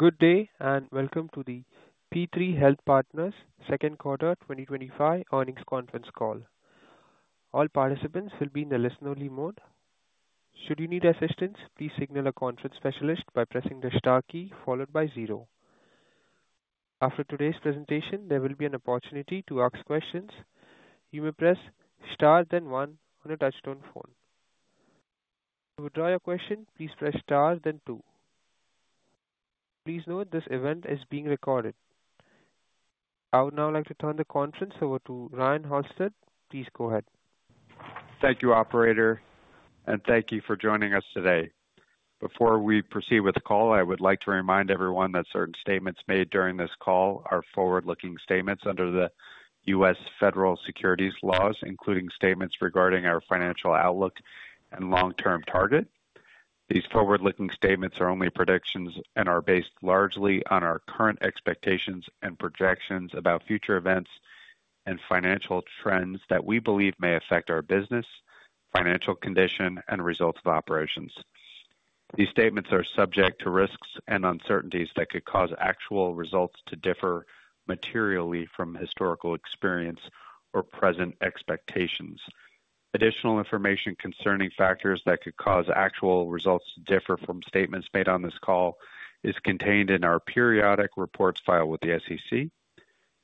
Good day and welcome to the P3 Health Partners Second Quarter 2025 Earnings Conference Call. All participants will be in a listen-only mode. Should you need assistance, please signal a conference specialist by pressing the STAR key followed by zero. After today's presentation, there will be an opportunity to ask questions. You may press STAR, then one on your touchtone phone. To withdraw your question, please press STAR, then two. Please note this event is being recorded. I would now like to turn the conference over to Ryan Halsted. Please go ahead. Thank you, Operator, and thank you for joining us today. Before we proceed with the call, I would like to remind everyone that certain statements made during this call are forward-looking statements under the U.S. Federal Securities Laws, including statements regarding our financial outlook and long-term target. These forward-looking statements are only predictions and are based largely on our current expectations and projections about future events and financial trends that we believe may affect our business, financial condition, and results of operations. These statements are subject to risks and uncertainties that could cause actual results to differ materially from historical experience or present expectations. Additional information concerning factors that could cause actual results to differ from statements made on this call is contained in our periodic reports filed with the SEC.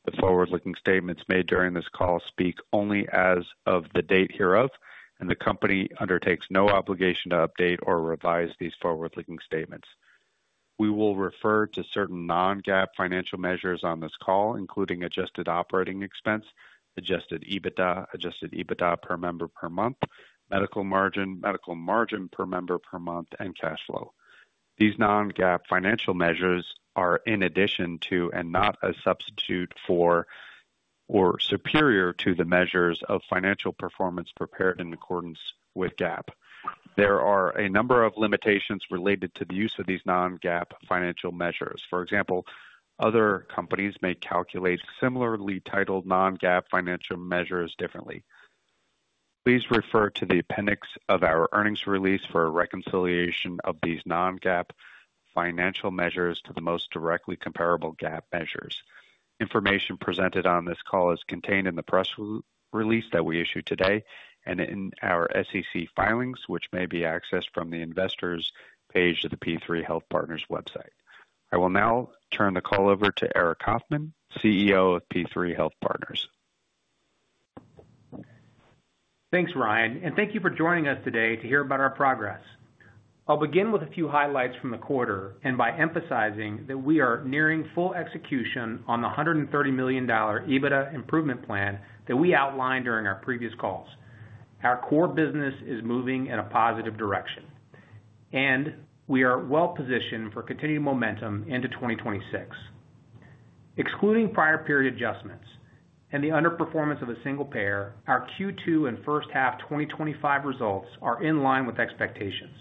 The forward-looking statements made during this call speak only as of the date hereof, and the company undertakes no obligation to update or revise these forward-looking statements. We will refer to certain non-GAAP financial measures on this call, including adjusted operating expense, adjusted EBITDA, adjusted EBITDA per member per month, medical margin, medical margin per member per month, and cash flow. These non-GAAP financial measures are in addition to and not a substitute for or superior to the measures of financial performance prepared in accordance with GAAP. There are a number of limitations related to the use of these non-GAAP financial measures. For example, other companies may calculate similarly titled non-GAAP financial measures differently. Please refer to the appendix of our earnings release for a reconciliation of these non-GAAP financial measures to the most directly comparable GAAP measures. Information presented on this call is contained in the press release that we issued today and in our SEC filings, which may be accessed from the Investors page of the P3 Health Partners website. I will now turn the call over to Aric Coffman, CEO of P3 Health Partners. Thanks, Ryan, and thank you for joining us today to hear about our progress. I'll begin with a few highlights from the quarter and by emphasizing that we are nearing full execution on the $130 million EBITDA improvement plan that we outlined during our previous calls. Our core business is moving in a positive direction, and we are well positioned for continued momentum into 2026. Excluding prior period adjustments and the underperformance of a single payer, our Q2 and first half 2025 results are in line with expectations.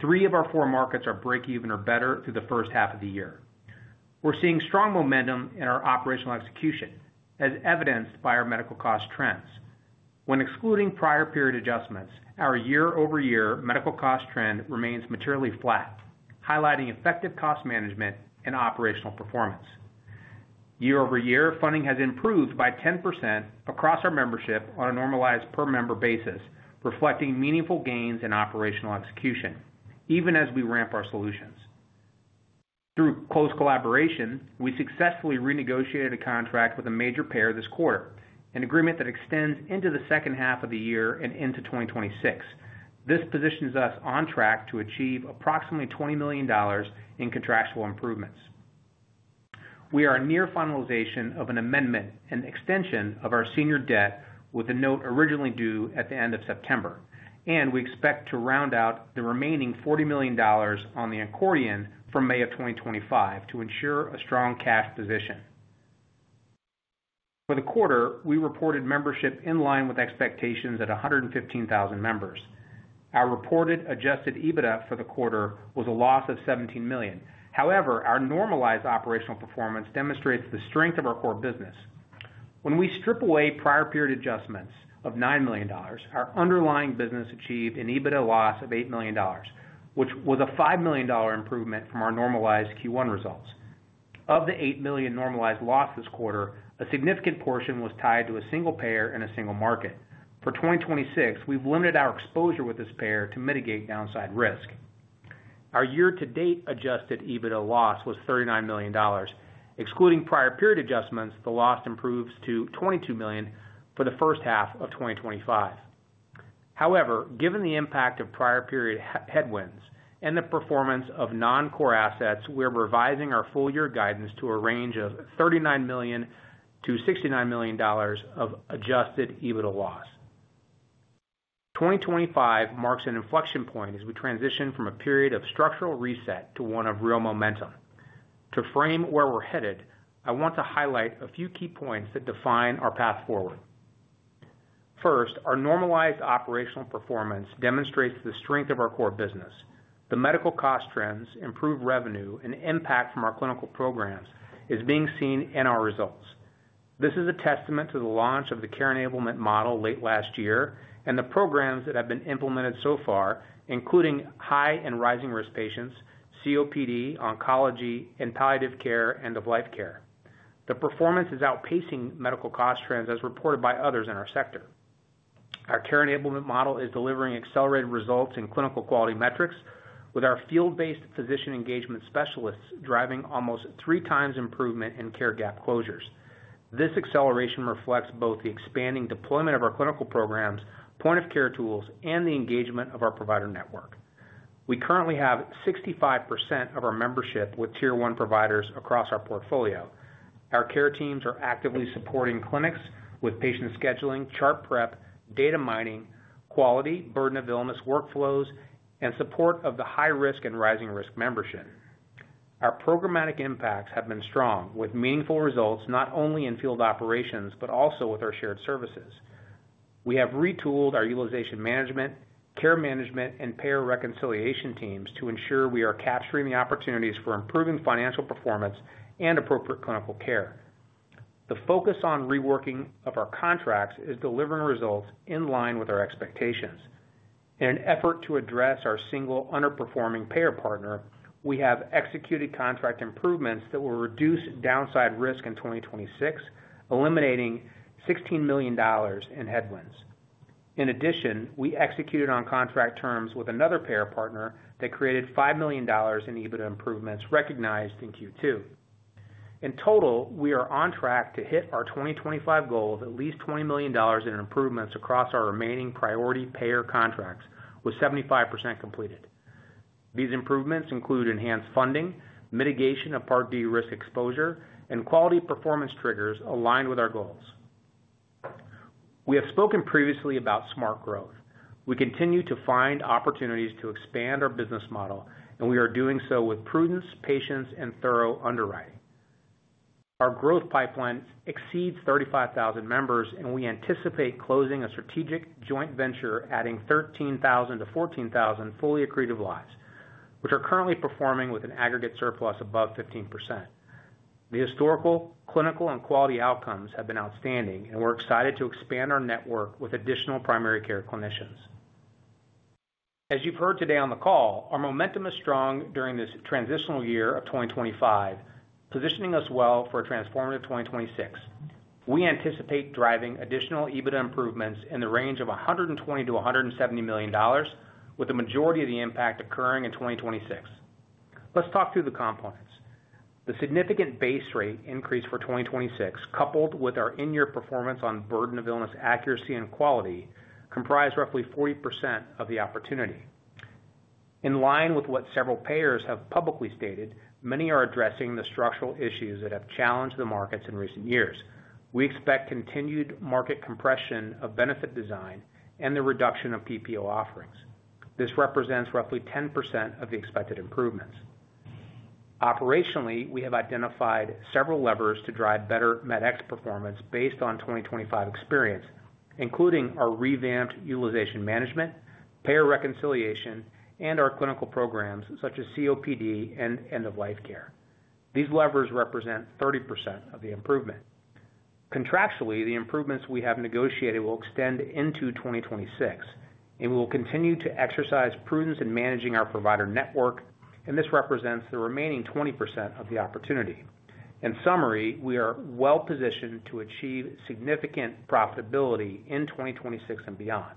Three of our four markets are breakeven or better through the first half of the year. We're seeing strong momentum in our operational execution, as evidenced by our medical cost trends. When excluding prior period adjustments, our year-over-year medical cost trend remains materially flat, highlighting effective cost management and operational performance. Year-over-year funding has improved by 10% across our membership on a normalized per-member basis, reflecting meaningful gains in operational execution, even as we ramp our solutions. Through close collaboration, we successfully renegotiated a contract with a major payer this quarter, an agreement that extends into the second half of the year and into 2026. This positions us on track to achieve approximately $20 million in contractual improvements. We are near finalization of an amendment and extension of our senior debt with a note originally due at the end of September, and we expect to round out the remaining $40 million on the accordion for May of 2025 to ensure a strong cash position. For the quarter, we reported membership in line with expectations at 115,000 members. Our reported adjusted EBITDA for the quarter was a loss of $17 million. However, our normalized operational performance demonstrates the strength of our core business. When we strip away prior period adjustments of $9 million, our underlying business achieved an EBITDA loss of $8 million, which was a $5 million improvement from our normalized Q1 results. Of the $8 million normalized loss this quarter, a significant portion was tied to a single payer in a single market. For 2026, we've limited our exposure with this payer to mitigate downside risk. Our year-to-date adjusted EBITDA loss was $39 million. Excluding prior period adjustments, the loss improves to $22 million for the first half of 2025. However, given the impact of prior period headwinds and the performance of non-core assets, we're revising our full-year guidance to a range of $39 million-$69 million of adjusted EBITDA loss. 2025 marks an inflection point as we transition from a period of structural reset to one of real momentum. To frame where we're headed, I want to highlight a few key points that define our path forward. First, our normalized operational performance demonstrates the strength of our core business. The medical cost trends, improved revenue, and impact from our clinical programs are being seen in our results. This is a testament to the launch of the Care Enablement Model late last year and the programs that have been implemented so far, including high and rising risk patients, COPD management, oncology, palliative care, and end of life care. The performance is outpacing medical cost trends as reported by others in our sector. Our Care Enablement Model is delivering accelerated results in clinical quality metrics, with our field-based physician engagement specialists driving almost 3x improvement in care gap closures. This acceleration reflects both the expanding deployment of our clinical programs, point-of-care tools, and the engagement of our provider network. We currently have 65% of our membership with Tier 1 providers across our portfolio. Our care teams are actively supporting clinics with patient scheduling, chart prep, data mining, quality burden of illness workflows, and support of the high-risk and rising risk membership. Our programmatic impacts have been strong, with meaningful results not only in field operations but also with our shared services. We have retooled our utilization management, care management, and payer reconciliation teams to ensure we are capturing the opportunities for improving financial performance and appropriate clinical care. The focus on reworking of our contracts is delivering results in line with our expectations. In an effort to address our single underperforming payer partner, we have executed contract improvements that will reduce downside risk in 2026, eliminating $16 million in headwinds. In addition, we executed on contract terms with another payer partner that created $5 million in EBITDA improvements recognized in Q2. In total, we are on track to hit our 2025 goal of at least $20 million in improvements across our remaining priority payer contracts, with 75% completed. These improvements include enhanced funding, mitigation of Part D risk exposure, and quality performance triggers aligned with our goals. We have spoken previously about smart growth. We continue to find opportunities to expand our business model, and we are doing so with prudence, patience, and thorough underwriting. Our growth pipeline exceeds 35,000 members, and we anticipate closing a strategic joint venture adding 13,000-14,000 fully accretive lives, which are currently performing with an aggregate surplus above 15%. The historical clinical and quality outcomes have been outstanding, and we're excited to expand our network with additional primary care clinicians. As you've heard today on the call, our momentum is strong during this transitional year of 2025, positioning us well for a transformative 2026. We anticipate driving additional EBITDA improvements in the range of $120million-$170 million, with the majority of the impact occurring in 2026. Let's talk through the components. The significant base rate increase for 2026, coupled with our in-year performance on burden of illness accuracy and quality, comprise roughly 40% of the opportunity. In line with what several payers have publicly stated, many are addressing the structural issues that have challenged the markets in recent years. We expect continued market compression of benefit design and the reduction of PPO offerings. This represents roughly 10% of the expected improvements. Operationally, we have identified several levers to drive better MedX performance based on 2025 experience, including our revamped utilization management, payer reconciliation, and our clinical programs such as COPD management and end-of-life care. These levers represent 30% of the improvement. Contractually, the improvements we have negotiated will extend into 2026, and we will continue to exercise prudence in managing our provider network, and this represents the remaining 20% of the opportunity. In summary, we are well positioned to achieve significant profitability in 2026 and beyond.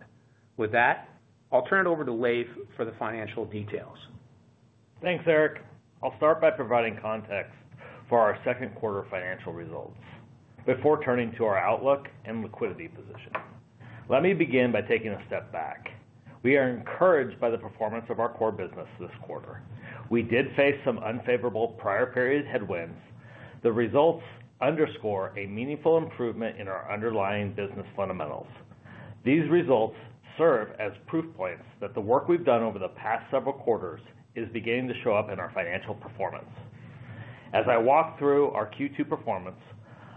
With that, I'll turn it over to Leif for the financial details. Thanks, Eric. I'll start by providing context for our second quarter financial results before turning to our outlook and liquidity position. Let me begin by taking a step back. We are encouraged by the performance of our core business this quarter. We did face some unfavorable prior period headwinds. The results underscore a meaningful improvement in our underlying business fundamentals. These results serve as proof points that the work we've done over the past several quarters is beginning to show up in our financial performance. As I walk through our Q2 performance,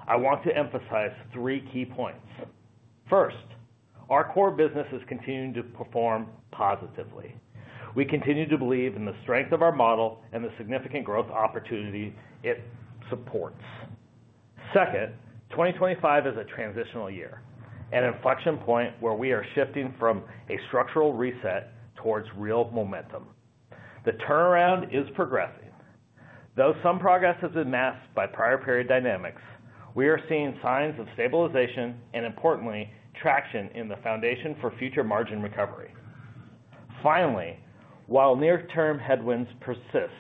I want to emphasize three key points. First, our core business is continuing to perform positively. We continue to believe in the strength of our model and the significant growth opportunity it supports. Second, 2025 is a transitional year, an inflection point where we are shifting from a structural reset towards real momentum. The turnaround is progressing. Though some progress has been masked by prior period dynamics, we are seeing signs of stabilization and, importantly, traction in the foundation for future margin recovery. Finally, while near-term headwinds persist,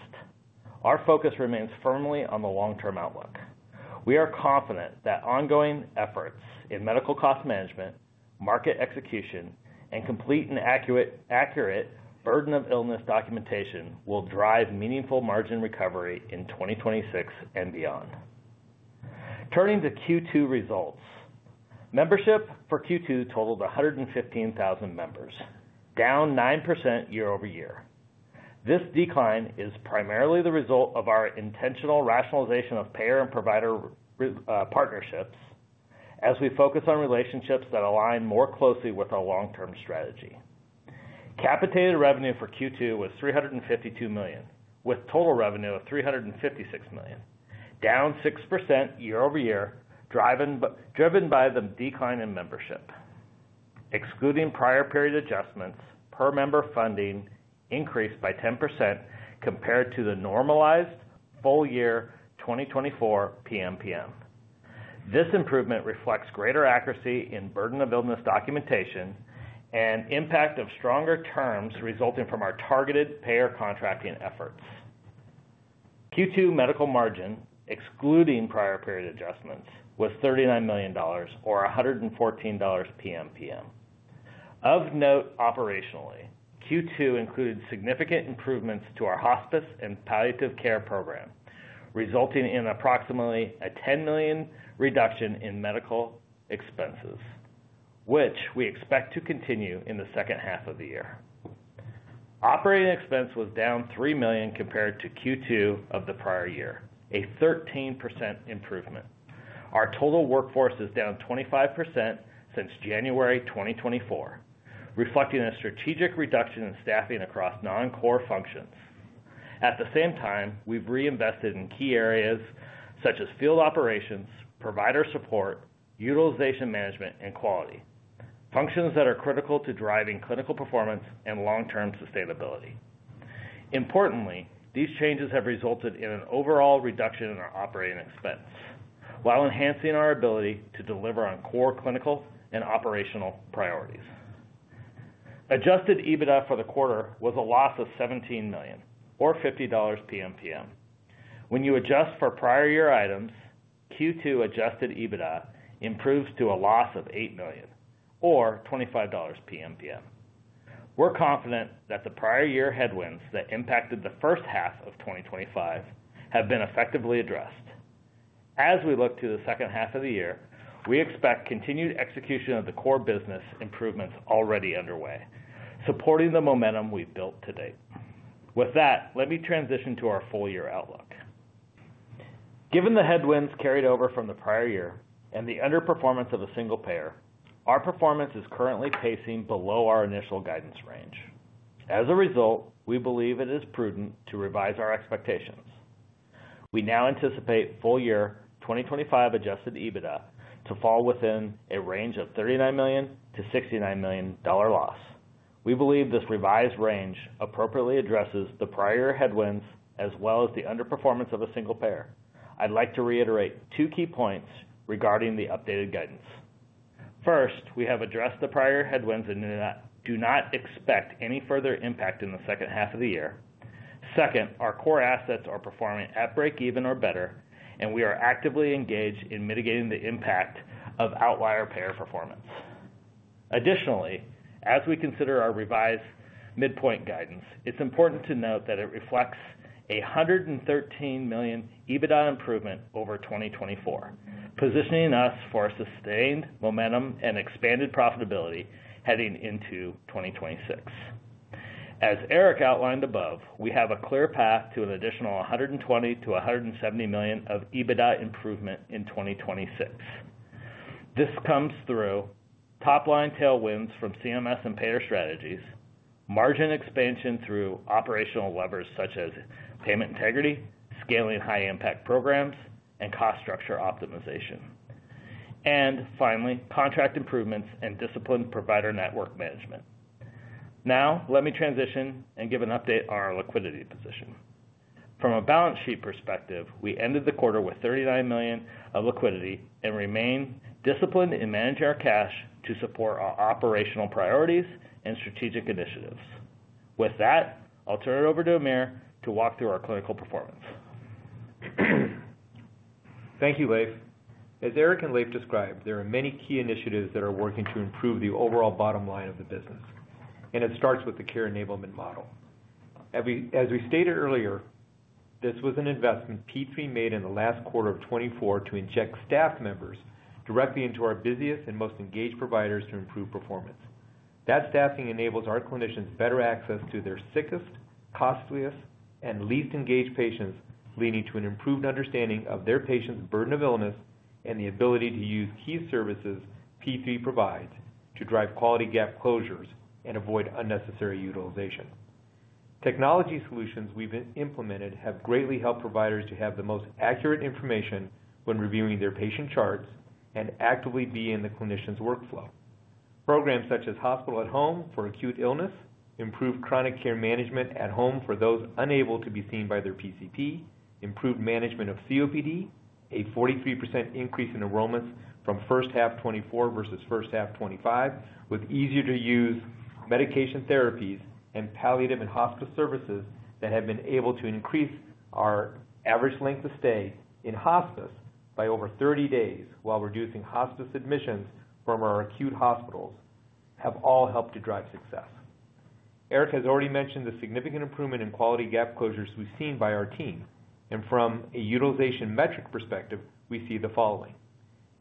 our focus remains firmly on the long-term outlook. We are confident that ongoing efforts in medical cost management, market execution, and complete and accurate burden of illness documentation will drive meaningful margin recovery in 2026 and beyond. Turning to Q2 results, membership for Q2 totaled 115,000 members, down 9% year-over-year. This decline is primarily the result of our intentional rationalization of payer and provider partnerships as we focus on relationships that align more closely with our long-term strategy. Capitated revenue for Q2 was $352 million, with total revenue of $356 million, down 6% year-over-year, driven by the decline in membership. Excluding prior period adjustments, per-member funding increased by 10% compared to the normalized full-year 2024 PMPM. This improvement reflects greater accuracy in burden of illness documentation and impact of stronger terms resulting from our targeted payer contracting efforts. Q2 medical margin, excluding prior period adjustments, was $39 million or $114 PMPM. Of note, operationally, Q2 included significant improvements to our hospice and palliative care program, resulting in approximately a $10 million reduction in medical expenses, which we expect to continue in the second half of the year. Operating expense was down $3 million compared to Q2 of the prior year, a 13% improvement. Our total workforce is down 25% since January 2024, reflecting a strategic reduction in staffing across non-core functions. At the same time, we've reinvested in key areas such as field operations, provider support, utilization management, and quality, functions that are critical to driving clinical performance and long-term sustainability. Importantly, these changes have resulted in an overall reduction in our operating expense, while enhancing our ability to deliver on core clinical and operational priorities. Adjusted EBITDA for the quarter was a loss of $17 million, or $50 PMPM. When you adjust for prior year items, Q2 adjusted EBITDA improves to a loss of $8 million, or $25 PMPM. We're confident that the prior year headwinds that impacted the first half of 2025 have been effectively addressed. As we look to the second half of the year, we expect continued execution of the core business improvements already underway, supporting the momentum we've built to date. With that, let me transition to our full-year outlook. Given the headwinds carried over from the prior year and the underperformance of a single payer, our performance is currently pacing below our initial guidance range. As a result, we believe it is prudent to revise our expectations. We now anticipate full-year 2025 adjusted EBITDA to fall within a range of $39 million-$69 million loss. We believe this revised range appropriately addresses the prior headwinds as well as the underperformance of a single payer. I'd like to reiterate two key points regarding the updated guidance. First, we have addressed the prior headwinds and do not expect any further impact in the second half of the year. Second, our core assets are performing at breakeven or better, and we are actively engaged in mitigating the impact of outlier payer performance. Additionally, as we consider our revised midpoint guidance, it's important to note that it reflects a $113 million EBITDA improvement over 2024, positioning us for sustained momentum and expanded profitability heading into 2026. As Eric outlined above, we have a clear path to an additional $120 million-$170 million of EBITDA improvement in 2026. This comes through top-line tailwinds from CMS and payer strategies, margin expansion through operational levers such as payment integrity, scaling high-impact programs, and cost structure optimization, and finally, contract improvements and disciplined provider network management. Now, let me transition and give an update on our liquidity position. From a balance sheet perspective, we ended the quarter with $39 million of liquidity and remain disciplined in managing our cash to support our operational priorities and strategic initiatives. With that, I'll turn it over to Amir to walk through our clinical performance. Thank you, Leif. As Aric and Leif described, there are many key initiatives that are working to improve the overall bottom line of the business, and it starts with the Care Enablement Model. As we stated earlier, this was an investment P3 Health Partners made in the last quarter of 2024 to inject staff members directly into our busiest and most engaged providers to improve performance. That staffing enables our clinicians better access to their sickest, costliest, and least engaged patients, leading to an improved understanding of their patients' burden of illness and the ability to use key services P3 provides to drive quality gap closures and avoid unnecessary utilization. Technology solutions we've implemented have greatly helped providers to have the most accurate information when reviewing their patient charts and actively be in the clinician's workflow. Programs such as Hospital at Home for acute illness, improved chronic care management at home for those unable to be seen by their PCP, improved management of COPD, a 43% increase in enrollments from first half 2024 versus first half 2025, with easier-to-use medication therapies and palliative and hospice services that have been able to increase our average length of stay in hospice by over 30 days, while reducing hospice admissions from our acute hospitals have all helped to drive success. Aric has already mentioned the significant improvement in quality gap closures we've seen by our team, and from a utilization metric perspective, we see the following: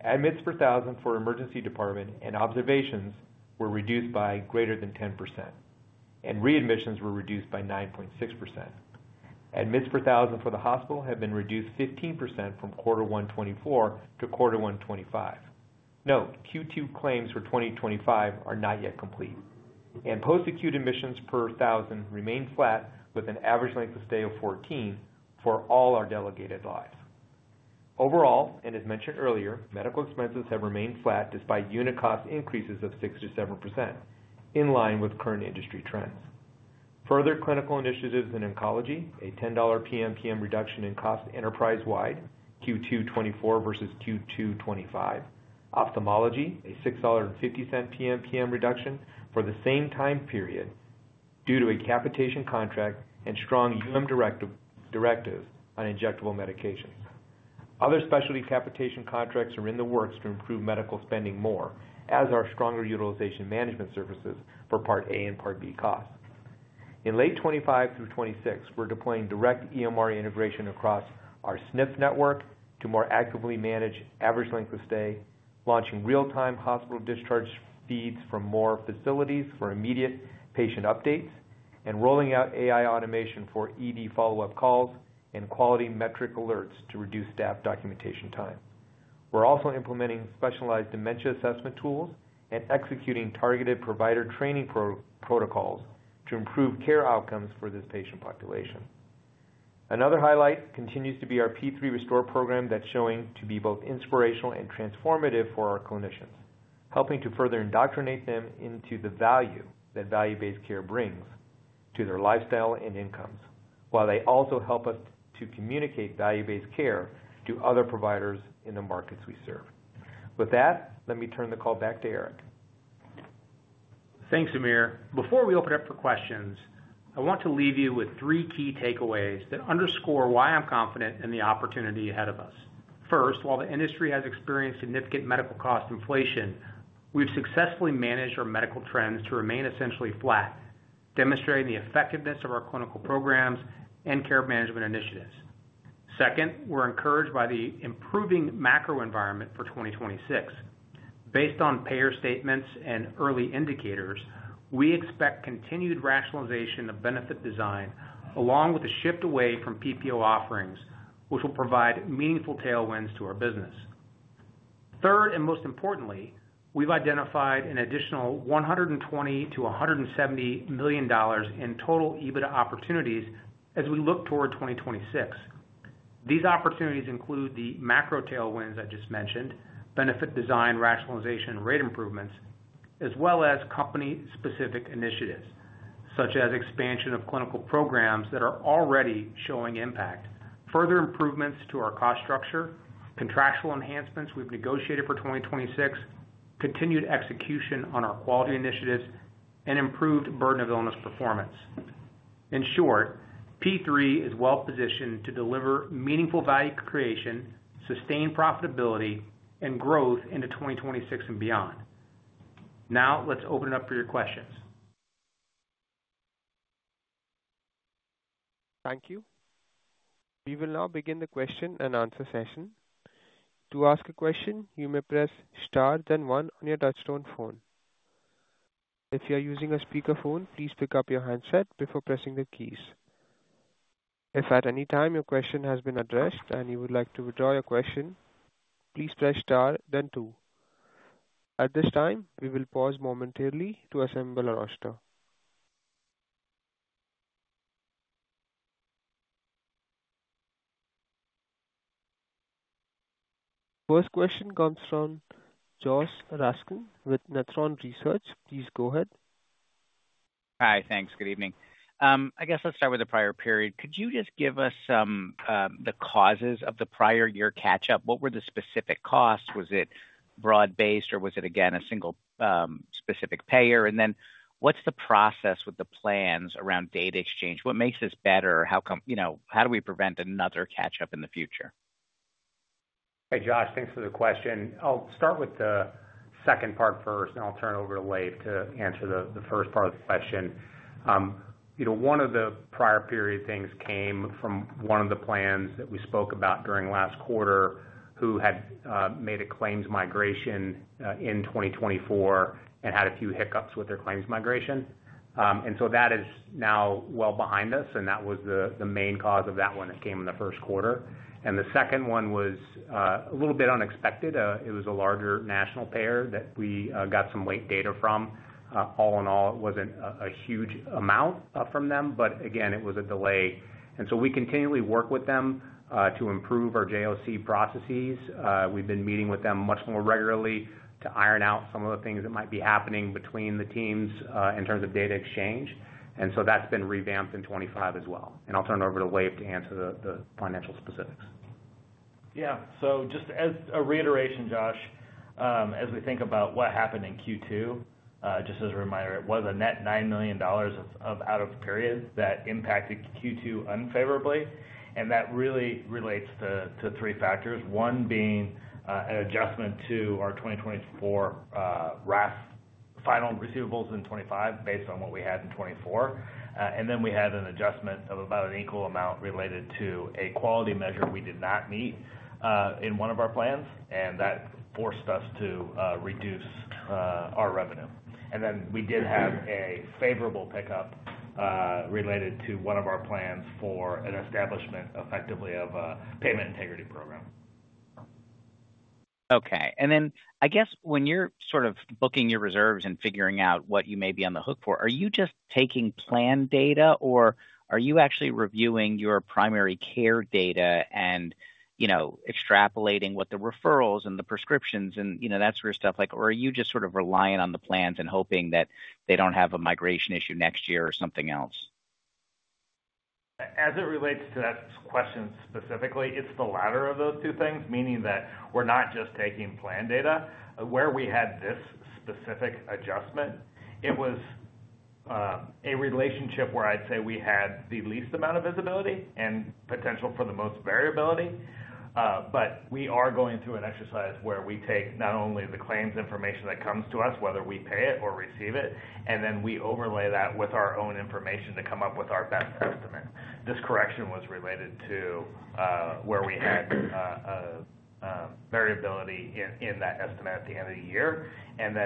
admits per thousand for emergency department and observations were reduced by greater than 10%, and readmissions were reduced by 9.6%. Admits per thousand for the hospital have been reduced 15% from quarter one 2024-quarter one 2025. Note, Q2 claims for 2025 are not yet complete, and post-acute admissions per thousand remain flat, with an average length of stay of 14 for all our delegated lives. Overall, and as mentioned earlier, medical expenses have remained flat despite unit cost increases of 6%-7%, in line with current industry trends. Further clinical initiatives in oncology, a $10 PMPM reduction in cost enterprise-wide, Q2 2024 versus Q2 2025. Ophthalmology, a $6.50 PMPM reduction for the same time period due to a capitation contract and strong directives on injectable medications. Other specialty capitation contracts are in the works to improve medical spending more, as are stronger utilization management services for Part A and Part B costs. In late 2025 through 2026, we're deploying direct EMR integration across our SNF network to more actively manage average length of stay, launching real-time hospital discharge feeds from more facilities for immediate patient updates, and rolling out AI automation for ED follow-up calls and quality metric alerts to reduce staff documentation time. We're also implementing specialized dementia assessment tools and executing targeted provider training protocols to improve care outcomes for this patient population. Another highlight continues to be our P3 Restore program that's showing to be both inspirational and transformative for our clinicians, helping to further indoctrinate them into the value that value-based care brings to their lifestyle and incomes, while they also help us to communicate value-based care to other providers in the markets we serve. With that, let me turn the call back to Aric. Thanks, Amir. Before we open it up for questions, I want to leave you with three key takeaways that underscore why I'm confident in the opportunity ahead of us. First, while the industry has experienced significant medical cost inflation, we've successfully managed our medical trends to remain essentially flat, demonstrating the effectiveness of our clinical programs and care management initiatives. Second, we're encouraged by the improving macro-environment for 2026. Based on payer statements and early indicators, we expect continued rationalization of benefit design, along with a shift away from PPO offerings, which will provide meaningful tailwinds to our business. Third, and most importantly, we've identified an additional $120 million-$170 million in total EBITDA opportunities as we look toward 2026. These opportunities include the macro-tailwinds I just mentioned, benefit design, rationalization, and rate improvements, as well as company-specific initiatives such as expansion of clinical programs that are already showing impact, further improvements to our cost structure, contractual enhancements we've negotiated for 2026, continued execution on our quality initiatives, and improved burden of illness performance. In short, P3 Health Partners is well positioned to deliver meaningful value creation, sustained profitability, and growth into 2026 and beyond. Now, let's open it up for your questions. Thank you. We will now begin the question and answer session. To ask a question, you may press STAR, then one on your touchtone phone. If you are using a speakerphone, please pick up your handset before pressing the keys. If at any time your question has been addressed and you would like to withdraw your question, please press STAR, then two. At this time, we will pause momentarily to assemble a roster. First question comes from Joshua Raskin with Nephron Research. Please go ahead. Hi, thanks. Good evening. I guess let's start with the prior period. Could you just give us some of the causes of the prior year catch-up? What were the specific costs? Was it broad-based or was it, again, a single specific payer? What's the process with the plans around data exchange? What makes this better? How do we prevent another catch-up in the future? Hey, Josh. Thanks for the question. I'll start with the second part first, and I'll turn it over to Leif to answer the first part of the question. One of the prior period things came from one of the plans that we spoke about during last quarter, who had made a claims migration in 2024 and had a few hiccups with their claims migration. That is now well behind us, and that was the main cause of that one that came in the first quarter. The second one was a little bit unexpected. It was a larger national payer that we got some late data from. All in all, it wasn't a huge amount from them, but again, it was a delay. We continually work with them to improve our JOC processes. We've been meeting with them much more regularly to iron out some of the things that might be happening between the teams in terms of data exchange. That's been revamped in 2025 as well. I'll turn it over to Leif to answer the financial specifics. Just as a reiteration, Josh, as we think about what happened in Q2, just as a reminder, it was a net $9 million of out-of-period that impacted Q2 unfavorably. That really relates to three factors, one being an adjustment to our 2024 RAF final receivables in 2025 based on what we had in 2024. Then we had an adjustment of about an equal amount related to a quality measure we did not meet in one of our plans, and that forced us to reduce our revenue. We did have a favorable pickup related to one of our plans for an establishment effectively of a payment integrity program. Okay. When you're sort of booking your reserves and figuring out what you may be on the hook for, are you just taking plan data or are you actually reviewing your primary care data and extrapolating what the referrals and the prescriptions and that sort of stuff look like? Are you just sort of reliant on the plans and hoping that they don't have a migration issue next year or something else? As it relates to that question specifically, it's the latter of those two things, meaning that we're not just taking plan data. Where we had this specific adjustment, it was a relationship where I'd say we had the least amount of visibility and potential for the most variability. We are going through an exercise where we take not only the claims information that comes to us, whether we pay it or receive it, and then we overlay that with our own information to come up with our best estimate. This correction was related to where we had variability in that estimate at the end of the year.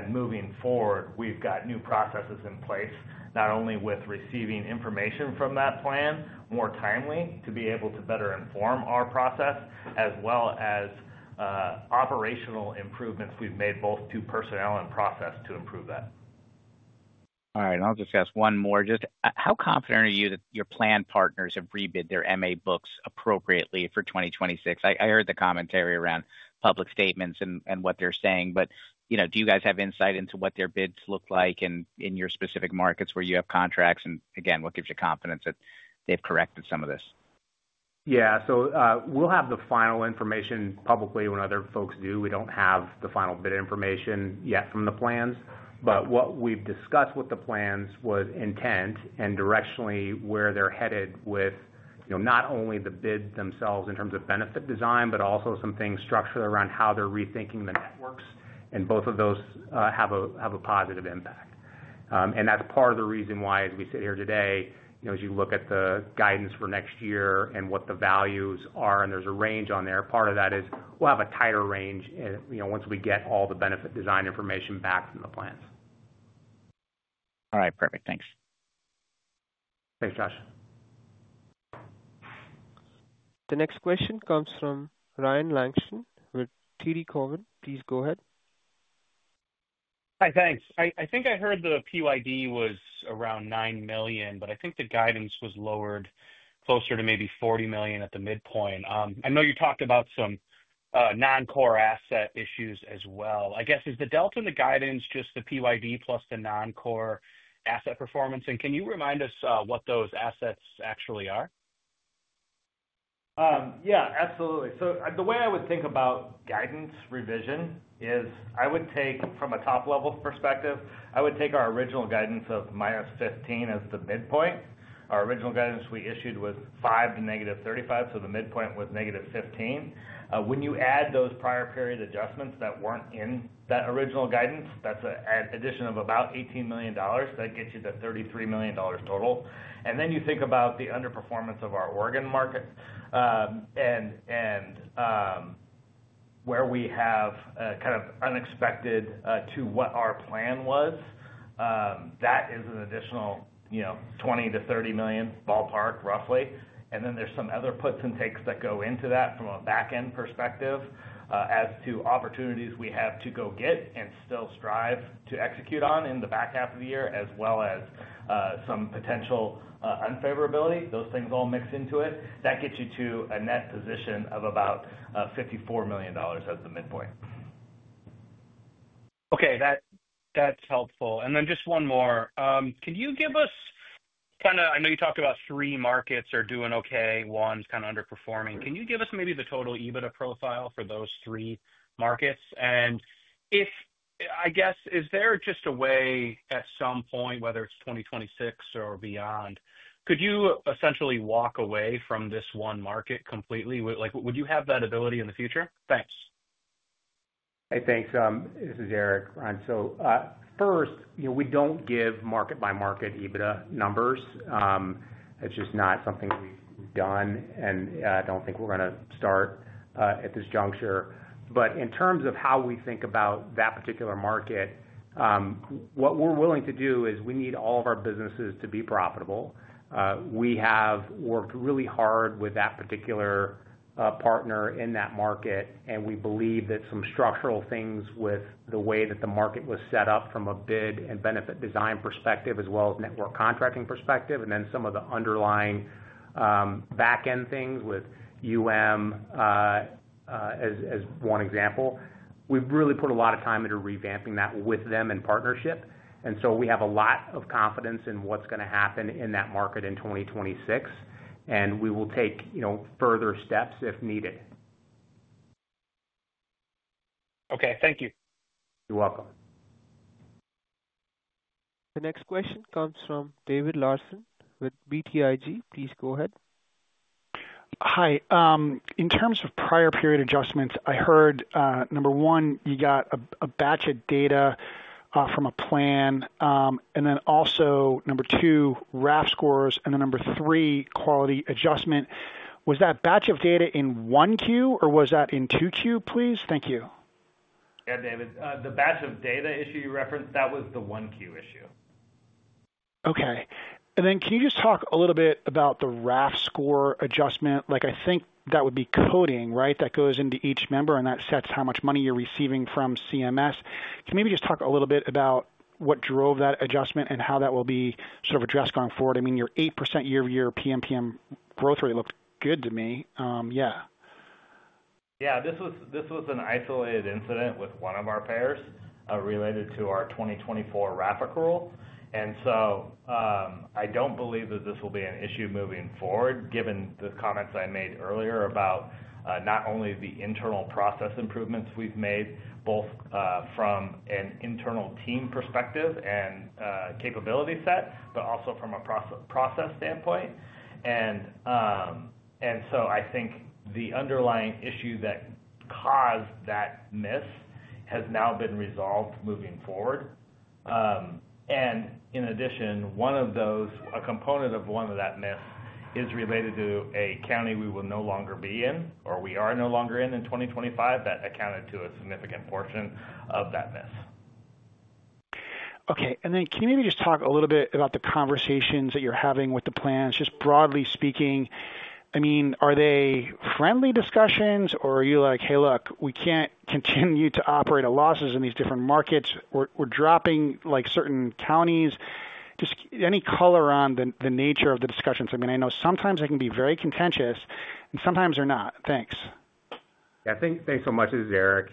Moving forward, we've got new processes in place, not only with receiving information from that plan more timely to be able to better inform our process, as well as operational improvements we've made both to personnel and process to improve that. All right. I'll just ask one more. How confident are you that your plan partners have rebid their MA books appropriately for 2026? I heard the commentary around public statements and what they're saying, but do you guys have insight into what their bids look like in your specific markets where you have contracts? What gives you confidence that they've corrected some of this? Yeah. We will have the final information publicly when other folks do. We do not have the final bid information yet from the plans. What we've discussed with the plans was intent and directionally where they're headed with, you know, not only the bid themselves in terms of benefit design, but also some things structured around how they're rethinking the networks. Both of those have a positive impact. That is part of the reason why, as we sit here today, as you look at the guidance for next year and what the values are, and there's a range on there, part of that is we will have a tighter range once we get all the benefit design information back from the plans. All right. Perfect. Thanks. Thanks, Josh. The next question comes from Ryan Langston with TD Cowen. Please go ahead. Hi, thanks. I think I heard the PYD was around $9 million, but I think the guidance was lowered closer to maybe $40 million at the midpoint. I know you talked about some non-core asset issues as well. Is the delta in the guidance just the PYD plus the non-core asset performance? Can you remind us what those assets actually are? Absolutely. The way I would think about guidance revision is I would take, from a top-level perspective, our original guidance of -$15 million as the midpoint. Our original guidance we issued was $5 million to -$35 million, so the midpoint was -$15 million. When you add those prior period adjustments that weren't in that original guidance, that's an addition of about $18 million. That gets you the $33 million total. You think about the underperformance of our Oregon market and where we have kind of unexpected to what our plan was. That is an additional $20 million-$30 million ballpark, roughly. There are some other puts and takes that go into that from a back-end perspective as to opportunities we have to go get and still strive to execute on in the back half of the year, as well as some potential unfavorability. Those things all mix into it. That gets you to a net position of about $54 million as the midpoint. Okay. That's helpful. Just one more. Can you give us kind of, I know you talked about three markets are doing okay, one's kind of underperforming. Can you give us maybe the total EBITDA profile for those three markets? If, I guess, is there just a way at some point, whether it's 2026 or beyond, could you essentially walk away from this one market completely? Like, would you have that ability in the future? Thanks. Hey, thanks. This is Aric, Ryan. First, you know, we don't give market-by-market EBITDA numbers. It's just not something we've done, and I don't think we're going to start at this juncture. In terms of how we think about that particular market, what we're willing to do is we need all of our businesses to be profitable. We have worked really hard with that particular partner in that market, and we believe that some structural things with the way that the market was set up from a bid and benefit design perspective, as well as network contracting perspective, and then some of the underlying back-end things, with as one example, we've really put a lot of time into revamping that with them in partnership. We have a lot of confidence in what's going to happen in that market in 2026, and we will take further steps if needed. Okay, thank you. You're welcome. The next question comes from David Larsen with BTIG. Please go ahead. Hi. In terms of prior period adjustments, I heard, number one, you got a batch of data from a plan, and then also, number two, RAF scores, and then number three, quality adjustment. Was that batch of data in 1Q, or was that in 2Q, please? Thank you. Yeah, David. The batch of data issue you referenced, that was the 1Q issue. Okay. Can you just talk a little bit about the RAF score adjustment? I think that would be coding, right, that goes into each member, and that sets how much money you're receiving from CMS. Can you maybe just talk a little bit about what drove that adjustment and how that will be sort of addressed going forward? I mean, your 8% year-over-year PMPM growth rate looked good to me. Yeah. Yeah. This was an isolated incident with one of our payers related to our 2024 RAP accrual. I don't believe that this will be an issue moving forward, given the comments I made earlier about not only the internal process improvements we've made, both from an internal team perspective and capability set, but also from a process standpoint. I think the underlying issue that caused that miss has now been resolved moving forward. In addition, a component of that miss is related to a county we will no longer be in, or we are no longer in in 2025, that accounted for a significant portion of that miss. Okay. Can you maybe just talk a little bit about the conversations that you're having with the plans? Just broadly speaking, are they friendly discussions, or are you like, "Hey, look, we can't continue to operate at losses in these different markets. We're dropping like certain counties." Any color on the nature of the discussions? I know sometimes they can be very contentious, and sometimes they're not. Thanks. Yeah. Thanks so much. This is Aric.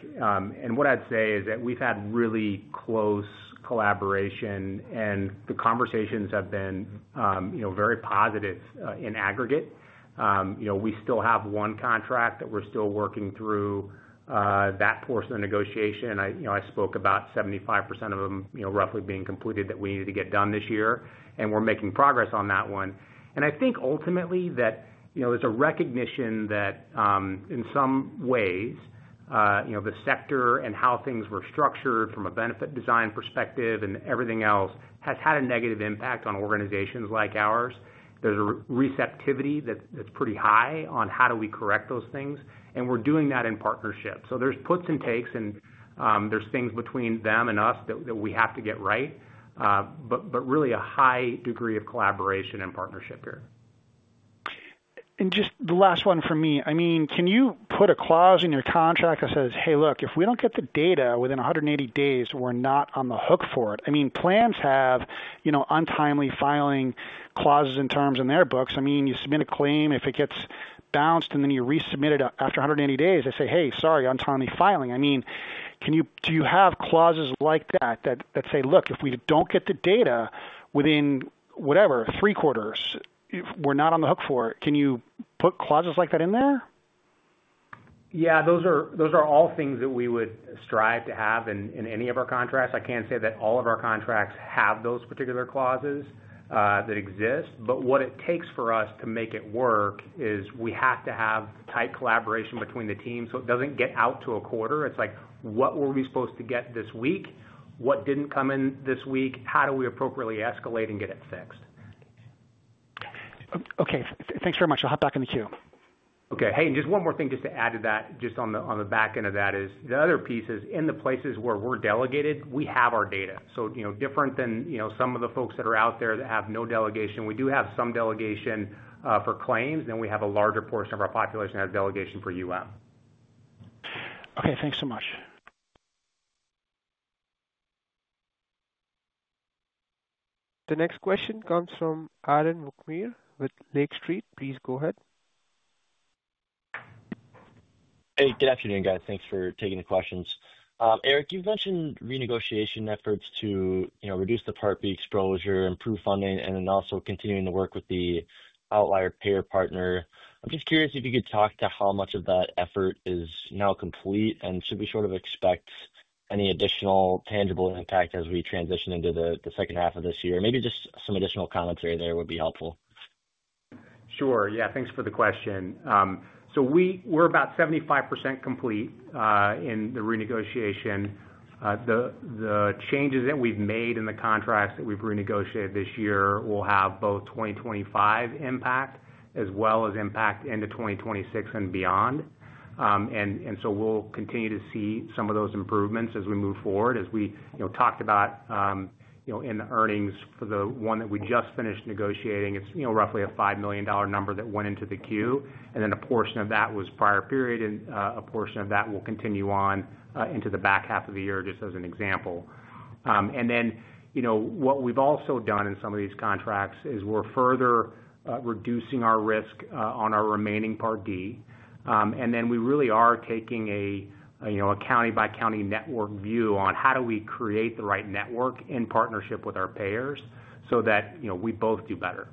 What I'd say is that we've had really close collaboration, and the conversations have been very positive in aggregate. We still have one contract that we're still working through that portion of the negotiation. I spoke about 75% of them roughly being completed that we needed to get done this year, and we're making progress on that one. I think ultimately that there's a recognition that, in some ways, the sector and how things were structured from a benefit design perspective and everything else has had a negative impact on organizations like ours. There's a receptivity that's pretty high on how do we correct those things, and we're doing that in partnership. There's puts and takes, and there's things between them and us that we have to get right, but really a high degree of collaboration and partnership here. Just the last one for me. I mean, can you put a clause in your contract that says, "Hey, look, if we don't get the data within 180 days, we're not on the hook for it"? Plans have, you know, untimely filing clauses and terms in their books. You submit a claim. If it gets bounced and then you resubmit it after 180 days, they say, "Hey, sorry, untimely filing." Do you have clauses like that that say, "Look, if we don't get the data within, whatever, three quarters, we're not on the hook for it"? Can you put clauses like that in there? Yeah. Those are all things that we would strive to have in any of our contracts. I can't say that all of our contracts have those particular clauses that exist. What it takes for us to make it work is we have to have tight collaboration between the teams so it doesn't get out to a quarter. It's like, "What were we supposed to get this week? What didn't come in this week? How do we appropriately escalate and get it fixed? Okay, thanks very much. I'll hop back in the queue. Okay. Hey, just one more thing to add to that, just on the back end of that is the other piece is in the places where we're delegated, we have our data. You know, different than some of the folks that are out there that have no delegation. We do have some delegation for claims, and then we have a larger portion of our population that have delegation for Okay, thanks so much. The next question comes from Aaron Wukmir with Lake Street. Please go ahead. Hey, good afternoon, guys. Thanks for taking the questions. Aric, you've mentioned renegotiation efforts to reduce the Part B exposure, improve funding, and then also continuing to work with the outlier payer partner. I'm just curious if you could talk to how much of that effort is now complete and should we sort of expect any additional tangible impact as we transition into the second half of this year. Maybe just some additional commentary there would be helpful. Sure. Yeah. Thanks for the question. We're about 75% complete in the renegotiation. The changes that we've made in the contracts that we've renegotiated this year will have both 2025 impact as well as impact into 2026 and beyond. We'll continue to see some of those improvements as we move forward. As we talked about in the earnings for the one that we just finished negotiating, it's roughly a $5 million number that went into the queue. A portion of that was prior period, and a portion of that will continue on into the back half of the year, just as an example. What we've also done in some of these contracts is we're further reducing our risk on our remaining Part D. We really are taking a county-by-county network view on how do we create the right network in partnership with our payers so that we both do better.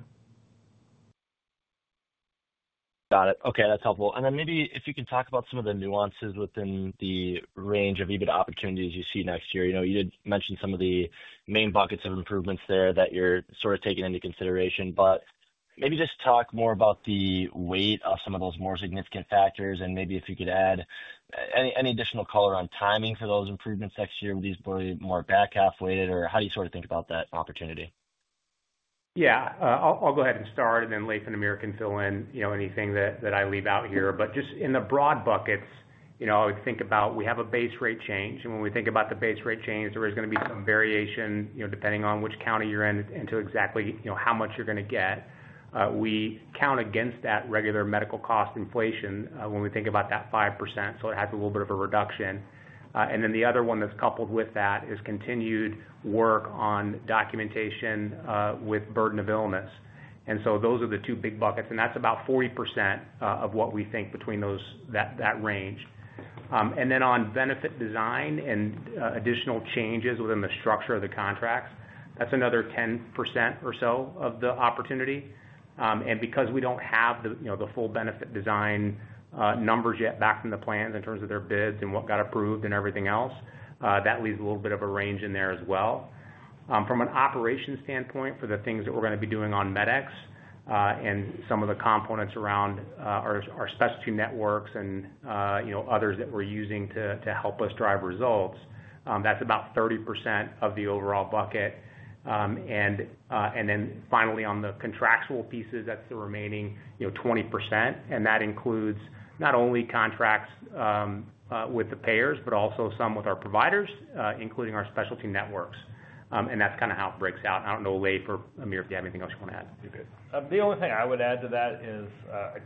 Got it. Okay, that's helpful. Maybe if you can talk about some of the nuances within the range of EBITDA opportunities you see next year. You did mention some of the main buckets of improvements there that you're sort of taking into consideration, but maybe just talk more about the weight of some of those more significant factors. If you could add any additional color on timing for those improvements next year, would these be more back-half weighted, or how do you sort of think about that opportunity? Yeah. I'll go ahead and start, and then Leif and Amir can fill in anything that I leave out here. Just in the broad buckets, I would think about we have a base rate change. When we think about the base rate change, there is going to be some variation depending on which county you're in, into exactly how much you're going to get. We count against that regular medical cost inflation when we think about that 5%. It has a little bit of a reduction. The other one that's coupled with that is continued work on documentation with burden of illness. Those are the two big buckets. That's about 40% of what we think between those, that range. On benefit design and additional changes within the structure of the contracts, that's another 10% or so of the opportunity. Because we don't have the full benefit design numbers yet back from the plans in terms of their bids and what got approved and everything else, that leaves a little bit of a range in there as well. From an operations standpoint for the things that we're going to be doing on MedX and some of the components around our specialty networks and others that we're using to help us drive results, that's about 30% of the overall bucket. Finally, on the contractual pieces, that's the remaining 20%. That includes not only contracts with the payers, but also some with our providers, including our specialty networks. That's kind of how it breaks out. I don't know, Leif or Amir, if you have anything else you want to add to it. The only thing I would add to that is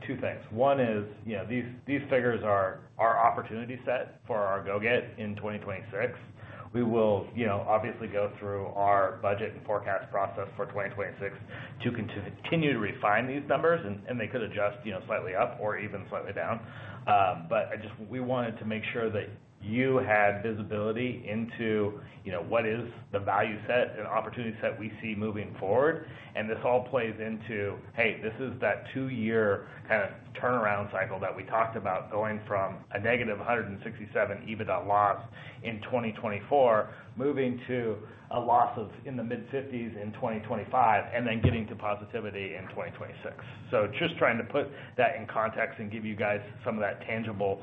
two things. One is, these figures are our opportunity set for our Go-Get in 2026. We will obviously go through our budget and forecast process for 2026 to continue to refine these numbers, and they could adjust slightly up or even slightly down. I just, we wanted to make sure that you had visibility into what is the value set and opportunity set we see moving forward. This all plays into, hey, this is that two-year kind of turnaround cycle that we talked about, going from a -$167 million EBITDA loss in 2024, moving to a loss of in the mid-$50 million in 2025, and then getting to positivity in 2026. Just trying to put that in context and give you guys some of that tangible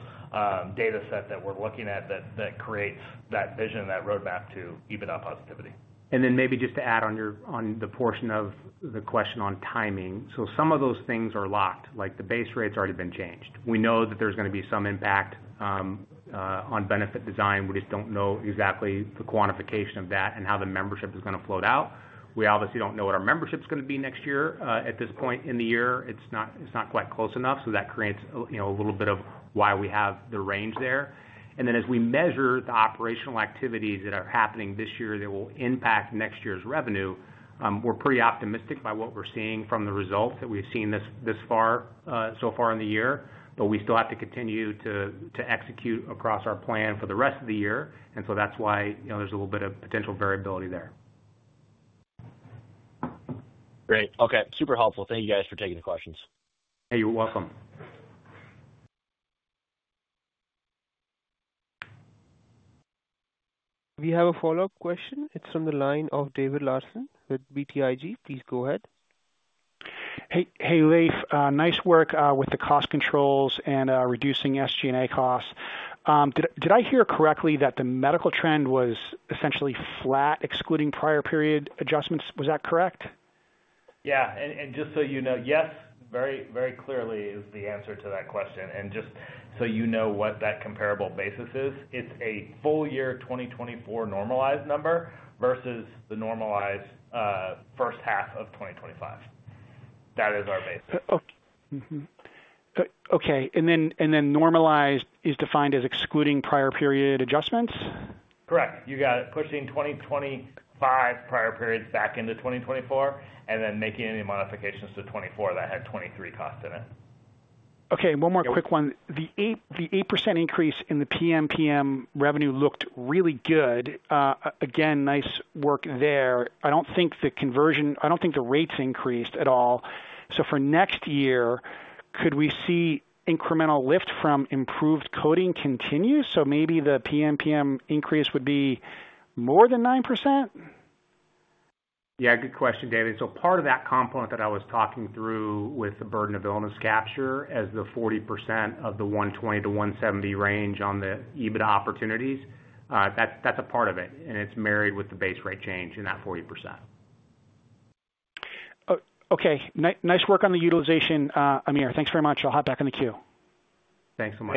data set that we're looking at that creates that vision, that roadmap to EBITDA positivity. Maybe just to add on the portion of the question on timing. Some of those things are locked, like the base rate's already been changed. We know that there's going to be some impact on benefit design. We just don't know exactly the quantification of that and how the membership is going to flow out. We obviously don't know what our membership's going to be next year. At this point in the year, it's not quite close enough. That creates a little bit of why we have the range there. As we measure the operational activities that are happening this year that will impact next year's revenue, we're pretty optimistic by what we're seeing from the results that we've seen so far in the year. We still have to continue to execute across our plan for the rest of the year, and that's why there's a little bit of potential variability there. Great. Okay. Super helpful. Thank you guys for taking the questions. Hey, you're welcome. We have a follow-up question. It's from the line of David Larsen with BTIG. Please go ahead. Hey, Leif. Nice work with the cost controls and reducing SG&A costs. Did I hear correctly that the medical trend was essentially flat, excluding prior period adjustments? Was that correct? Yes, very, very clearly is the answer to that question. Just so you know what that comparable basis is, it's a full-year 2024 normalized number versus the normalized first half of 2025. That is our basis. Okay. Normalized is defined as excluding prior period adjustments? Correct. You got it. Pushing 2025 prior periods back into 2024, and then making any modifications to 2024 that had 2023 cost in it. Okay. One more quick one. The 8% increase in the PMPM revenue looked really good. Again, nice work there. I don't think the conversion, I don't think the rates increased at all. For next year, could we see incremental lift from improved coding continue? Maybe the PMPM increase would be more than 9%? Good question, David. Part of that component that I was talking through with the burden of illness capture as the 40% of the $120 million-$170 million range on the EBITDA opportunities, that's a part of it. It's married with the base rate change in that 40%. Okay. Nice work on the utilization, Amir. Thanks very much. I'll hop back in the queue. Thanks so much..